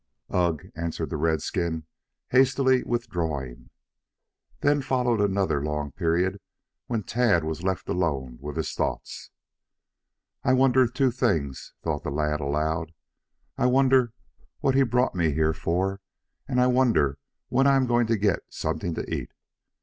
"Ugh," answered the redskin, hastily withdrawing. Then followed another long period when Tad was left alone with his thoughts. "I wonder two things," thought the lad aloud. "I wonder what he brought me here for and I wonder when I am going to get something to eat?